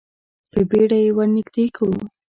په بیړه یې ور نږدې کړو.